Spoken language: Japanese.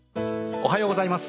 おはようございます。